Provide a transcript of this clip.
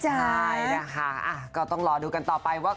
ใช่นะคะก็ต้องรอดูกันต่อไปว่า